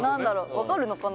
わかるのかな？